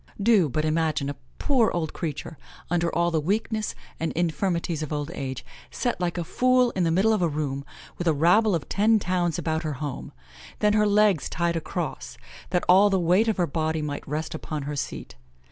Do but imagine a poor old creature, under all the weakness and infirmities of old age, set like a fool in the middle of a room, with a rabble of ten towns about her home; then her legs tied across, that all the weight of her body might rest upon her seat.